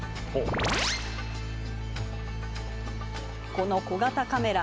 この小型カメラ